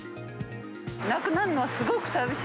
なくなるのはすごく寂しい。